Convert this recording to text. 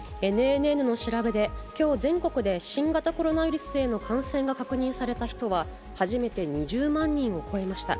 ＮＮＮの調べで、きょう全国で新型コロナウイルスへの感染が確認された人は、初めて２０万人を超えました。